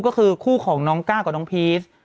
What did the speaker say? ก็คือคู่ของน้องก้าวกับน้องพีช